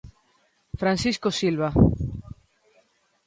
Francisco Silva.